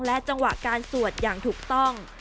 จังหวะการสวดอย่างถูกต้อง